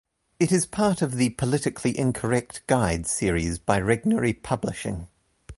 It is part of "The Politically Incorrect Guide" series by Regnery Publishing.